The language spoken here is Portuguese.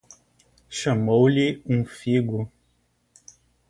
Chamou-lhe um figo.